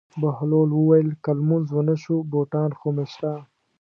بهلول وویل: که لمونځ ونه شو بوټان خو مې شته.